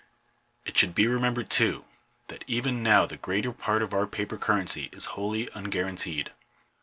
It should be remembered, too, that even now the greater part of our paper currency is wholly unguaranteed.